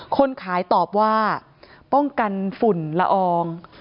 คนขายตอบว่าป้องกันฝุ่นละออง